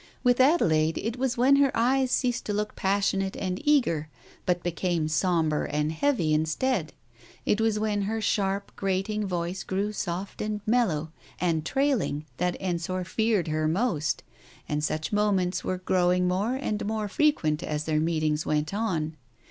With Adelaide it was when her eyes ceased to look passionate and eager but became sombre and heavy, instead : it was when her sharp grating voice grew soft and mellow and trailing that Ensor feared her most, and such moments were growing more and more frequent as their meetings went on.